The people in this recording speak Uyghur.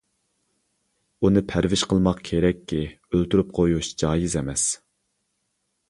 ئۇنى پەرۋىش قىلماق كېرەككى، ئۆلتۈرۈپ قويۇش جايىز ئەمەس.